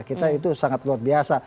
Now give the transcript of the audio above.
kita itu sangat luar biasa